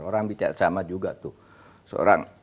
orang bicara sama juga tuh seorang